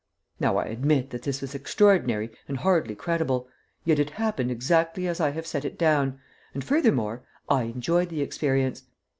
] Now I admit that this was extraordinary and hardly credible, yet it happened exactly as I have set it down, and, furthermore, I enjoyed the experience.